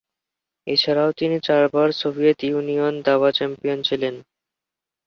এছাড়াও তিনি চারবার সোভিয়েত ইউনিয়ন দাবা চ্যাম্পিয়ন ছিলেন।